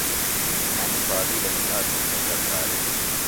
انی پالولمی آک مختصر تارِخ